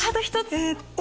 えーっと。